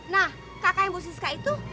nah kakaknya bu siska itu